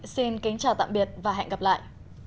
xin kính chào tạm biệt và hẹn gặp lại